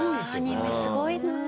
アニメすごいな。